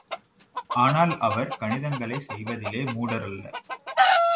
ஆனால், அவர் கணிதங்களைச் செய்வதிலே மூடரல்ல.